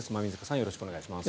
よろしくお願いします。